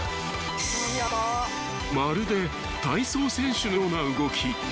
まるで体操選手のような動き。